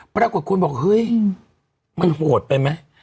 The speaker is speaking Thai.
ปรากฏคุณบอกเห้ยมันโหดไปมั้ย